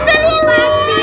pak siti pak siti